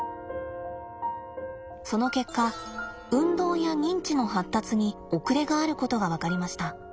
その結果運動や認知の発達に遅れがあることが分かりました。